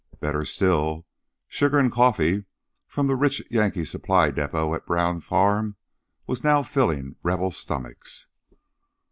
Better still, sugar and coffee from the rich Yankee supply depot at the Brown farm was now filling Rebel stomachs.